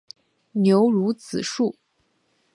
牛乳子树